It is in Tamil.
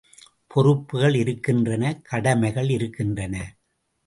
பொறுப்புகள் இருக்கின்றன கடமைகள் இருக்கின்றன.